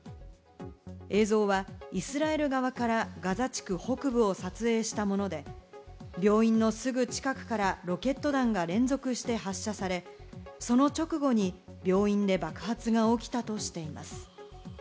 映像はイスラエル側からガザ地区北部を撮影したもので、病院のすぐ近くからロケット弾が連続して発射され、その直後に病院で爆発が起きたとしています。